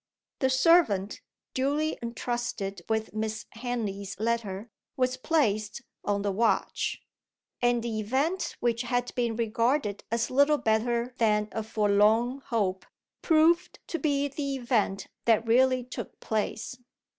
The servant (duly entrusted with Miss Henley's letter) was placed on the watch and the event which had been regarded as little better than a forlorn hope, proved to be the event that really took place.